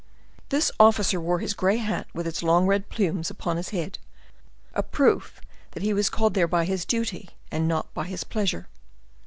This officer wore his gray hat with its long red plumes upon his head, a proof that he was called there by his duty, and not by his pleasure.